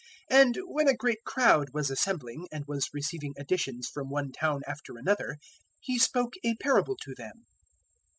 008:004 And when a great crowd was assembling, and was receiving additions from one town after another, He spoke a parable to them.